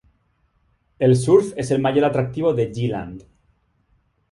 El surf es el mayor atractivo de G-Land.